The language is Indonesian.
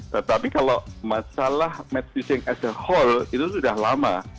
tetapi kalau masalah match fishing as a whole itu sudah lama